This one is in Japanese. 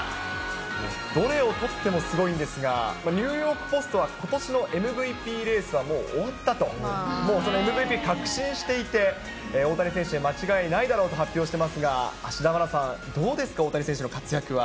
どれをとってもすごいんですが、ニューヨーク・ポストはことしのＭＶＰレースはもう終わったと、もうＭＶＰ確信していて、大谷選手で間違いないだろうと発表してますが、芦田愛菜さん、どうですか、大谷選手の活躍は？